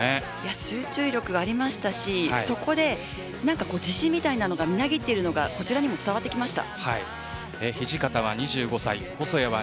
集中力がありましたし自身みたいなものがみなぎっているのが伝わってきました。